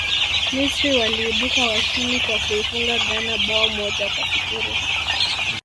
misri waliibuka washindi kwa kuifunga ghana bao moja kwa sifuri